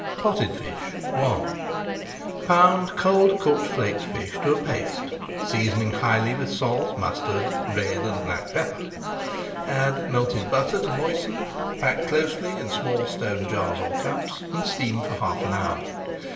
POTTED FISH I Pound cold cooked flaked fish to a paste, seasoning highly with salt, mustard, red and black pepper. Add melted butter to moisten, pack closely in small stone jars or cups and steam for half an hour.